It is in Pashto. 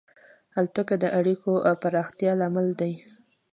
الوتکه د اړیکو پراختیا لامل ده.